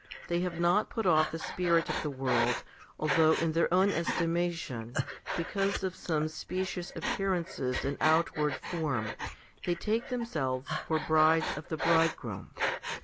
They have not put off the spirit of the world, although in their own estimation, because of some specious appearances and outward form, they take themselves for brides of the Bridegroom.